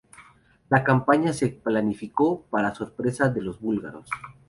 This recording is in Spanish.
La campaña se planificó para sorpresa de los búlgaros.